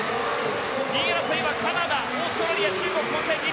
２位争いはカナダ、オーストラリア、中国混戦だ。